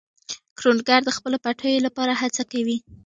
کروندګر د خپلو پټیو لپاره هڅه کوي